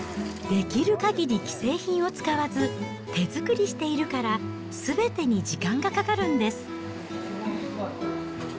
できるかぎり既製品を使わず、手作りしているから、すべてに時間がかかるんです。